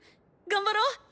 頑張ろう！